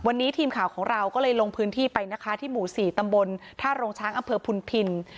วันนี้ทีมข่าวของเราก็เลยลงพื้นที่ไปนะคะที่หมู่๔ตำบลท่าโรงช้างอำเภอพุนพิน